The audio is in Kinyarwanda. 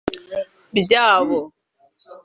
byabo